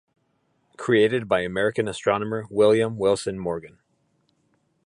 Created by American astronomer William Wilson Morgan.